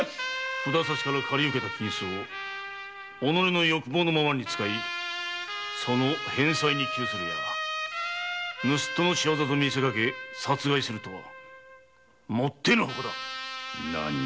札差しから借り受けた金子を己の欲望のままに使い返済に窮するや盗っ人の仕業と見せかけ殺害するとはもってのほかだ！